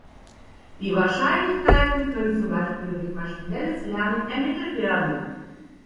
Die Wahrscheinlichkeiten können zum Beispiel durch maschinelles Lernen ermittelt werden.